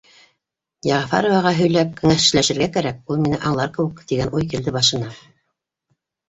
«Йәғәфәроваға һөйләп, кәңәшләшергә кәрәк, ул мине аңлар кеүек», — тигән уй килде башына